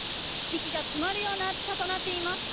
息が詰まるような暑さとなっています。